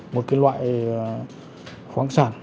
một loại khoáng sản